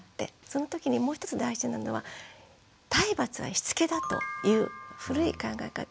そのときにもう一つ大事なのは体罰はしつけだという古い考え方。